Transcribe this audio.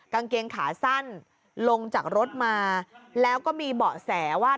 กางเกงขาสั้นลงจากรถมาแล้วก็มีเบาะแสว่า